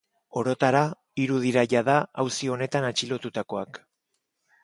Orotara hiru dira jada auzi honetan atxilotutakoak.